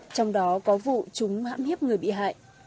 trong đó có vụ chúng hãm hiếp người bị hại